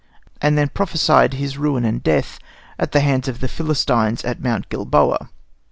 and then prophesied his ruin and death at the hands of the Philistines at Mount Gilboa.